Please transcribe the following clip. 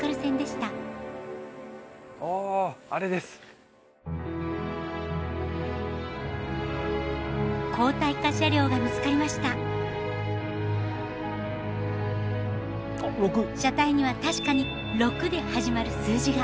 車体には確かに「６」で始まる数字が。